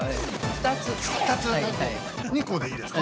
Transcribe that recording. ◆２個でいいですか？